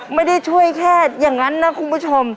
ไม่ได้ช่วยแค่อย่างนั้นนะคุณผู้ชม